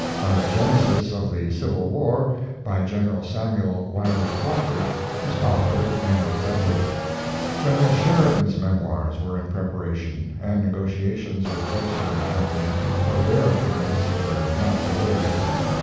A Genesis of the Civil War, by Gen. Samuel Wylie Crawford, was offered and accepted. General Sheridan's Memoirs were in preparation, and negotiations with Webster & Co. for their appearance were not delayed.